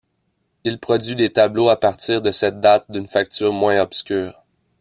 Il produit des tableaux à partir de cette date d'une facture moins obscure.